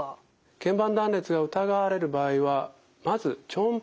けん板断裂が疑われる場合はまず超音波検査を行います。